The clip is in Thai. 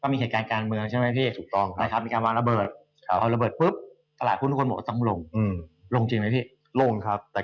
มีเหตุการณ์การเมืองใช่ไหมครับมีการวางระเบิดตลาดหุ้นมั่วต้องลงลงจริงวะพี่